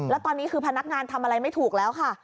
แล้วตอนนี้คือพนักงานทำอะไรไม่ถูกแล้วค่ะ